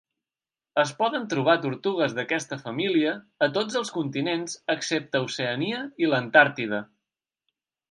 Es poden trobar tortugues d'aquesta família a tots els continents excepte Oceania i l'Antàrtida.